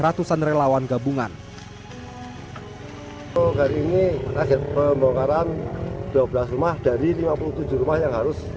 ratusan relawan gabungan hari ini akhir pembongkaran dua belas rumah dari lima puluh tujuh rumah yang harus